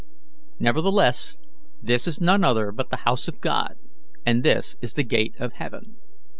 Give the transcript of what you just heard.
Nevertheless, this is none other but the house of God, and this is the gate of heaven.